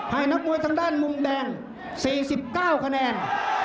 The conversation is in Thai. นักมวยทางด้านมุมแดง๔๙คะแนน